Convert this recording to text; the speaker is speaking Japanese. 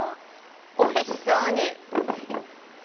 おいしそうに。